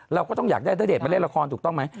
เราก็ต้องอยากได้ณเดชนมาเล่นละครถูกต้องไหม